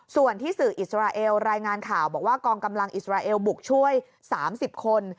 ส่วนที่สื่ออิสราเอลรายงานข่าวบอกว่ากองกำลังอิสราเอลบุกช่วย๓๐คน